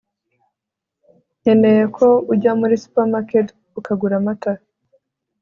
nkeneye ko ujya muri supermarket ukagura amata